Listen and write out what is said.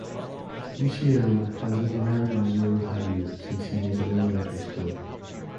Nishiyama has admired Yuzuru Hanyu since he was in elementary school.